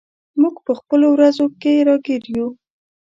موږ په خپلو ورځو کې راګیر یو.